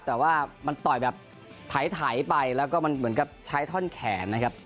แต่ว่ามันต่อยแบบไถไปแล้วก็มันเหมือนกับใช้ท่อนแขนนะครับ